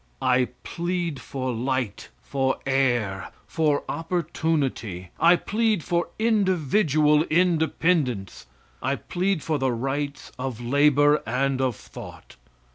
I plead for light, for air, for opportunity. I plead for individual independence. I plead for the rights of labor and of thought.